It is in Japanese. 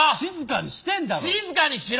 静かにしろ。